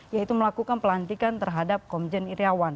yaitu melakukan pelantikan terhadap komjen iryawan